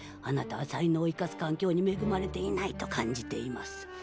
あなたは才能を生かす環境に恵まれていないと感じています。